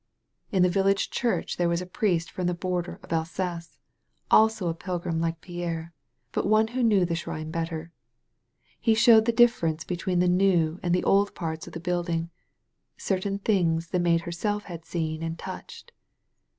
In the village church there was a priest from the border of Alsace, also a pilgrim like Pierre» but one who knew the dirine better. He showed the differ^ ence between the new and the old parts of the build ing. Certain things the Maid herself had seen and touched.